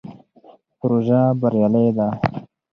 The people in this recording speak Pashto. پروژه بریالۍ ده.